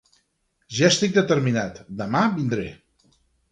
Ja estic determinat: demà vindré.